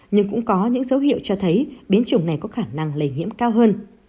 nhưng cũng có những dấu hiệu cho thấy biến chủng này có khả năng lây nhiễm cao hơn